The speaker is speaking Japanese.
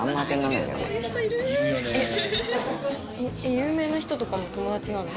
有名な人とかも友達なの？